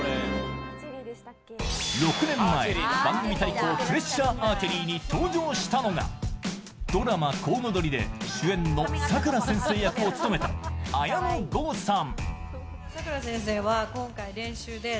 ６年前「番組対抗プレッシャーアーチェリー」に登場したのが、ドラマ「コウノドリ」で主演をサクラ先生を務めた綾野剛さん。